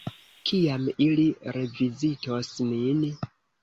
Kiam ili revizitos nin?